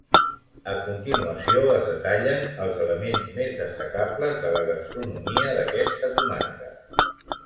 A continuació es detallen els elements més destacables de la gastronomia d'aquesta comarca.